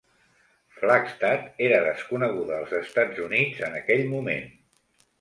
Flagstad era desconeguda als Estats Units en aquell moment.